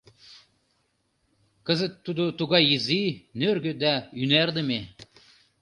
Кызыт тудо тугай изи, нӧргӧ да ӱнардыме.